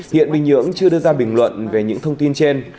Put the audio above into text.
hiện bình nhưỡng chưa đưa ra bình luận về những thông tin trên